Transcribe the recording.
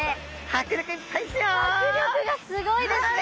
迫力がすごいですね！